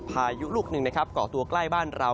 พายุลูกหนึ่งก่อตัวกล้ายบ้านเรา